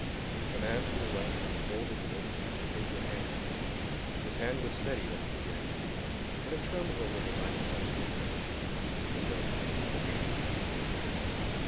The man from the West unfolded the little piece of paper handed him. His hand was steady when he began to read, but it trembled a little by the time he had finished. The note was rather short.